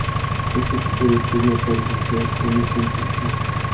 Este tipo de estadio parece ser único en Turquía.